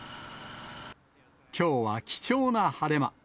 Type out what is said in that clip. きょうは貴重な晴れ間。